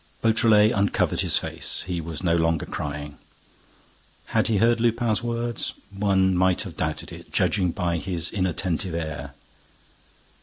Beautrelet uncovered his face. He was no longer crying. Had he heard Lupin's words? One might have doubted it, judging by his inattentive air.